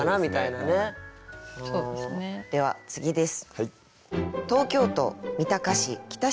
では次です。